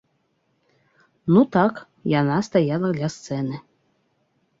Ну так, яна стаяла ля сцэны.